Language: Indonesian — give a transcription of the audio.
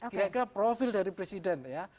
kira kira profil dari presiden ya